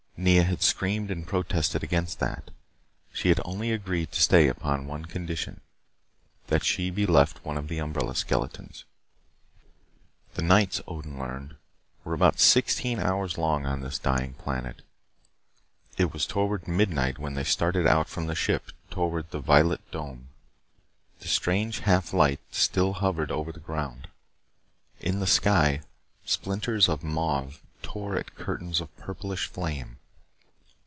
Nea had screamed and protested against that. She had only agreed to stay upon one condition: That she be left one of the umbrella skeletons. The nights, Odin learned, were about sixteen hours long on this dying planet. It was toward midnight when they started out from the ship toward the violet dome. The strange half light still hovered over the ground. In the sky, splinters of mauve tore at curtains of purplish flame.